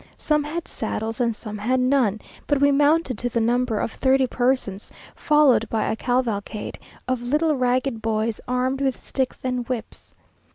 Some had saddles and some had none, but we mounted to the number of thirty persons, followed by a cavalcade of little ragged boys armed with sticks and whips.